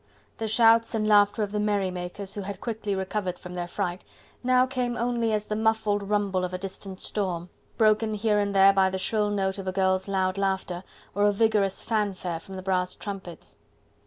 The shouts and laugher of the merrymakers, who had quickly recovered from their fright, now came only as the muffled rumble of a distant storm, broken here and there by the shrill note of a girl's loud laughter, or a vigorous fanfare from the brass trumpets.